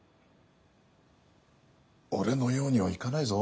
俺のようにはいかないぞ。